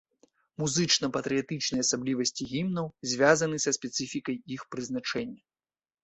Музычна-паэтычныя асаблівасці гімнаў звязаны са спецыфікай іх прызначэння.